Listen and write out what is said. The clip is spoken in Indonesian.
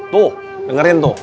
tuh dengerin tuh